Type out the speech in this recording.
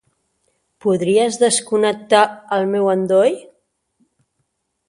Podries desconnectar el meu endoll?